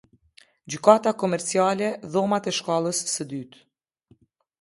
Gjykata Komerciale, Dhomat e shkallës së dytë.